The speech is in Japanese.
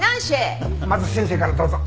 まず先生からどうぞ。